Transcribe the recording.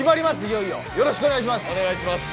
いよいよよろしくお願いします